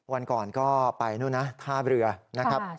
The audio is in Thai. วันก่อนก็ไปนู่นนะท่าเรือนะครับ